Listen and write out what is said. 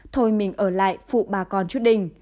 thôi mình ở lại phụ bà con chút đình